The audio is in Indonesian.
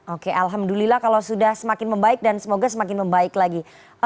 oke alhamdulillah kalau sudah semakin membaik dan semoga semakin membaik lagi